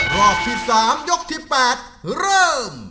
รอบที่๓ยกที่๘เริ่ม